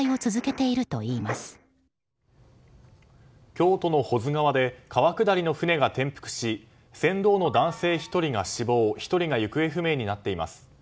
京都の保津川で、川下りの船が転覆し、船頭の男性１人が死亡１人が行方不明になっています。